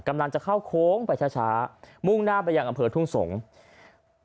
กำลังจะเข้าโค้งไปช้ามุ่งหน้าไปยังอำเภอทุ่งสงศ์